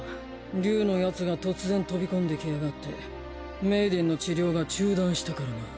竜のヤツが突然飛び込んできやがってメイデンの治療が中断したからな。